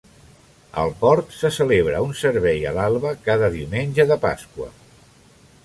Al port se celebra un servei a l'alba cada Diumenge de Pasqua.